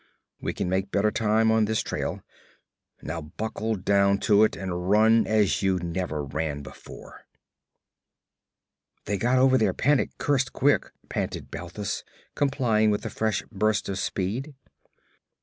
We can make better time on this trail. Now buckle down to it and run as you never ran before.' 'They got over their panic cursed quick!' panted Balthus, complying with a fresh burst of speed.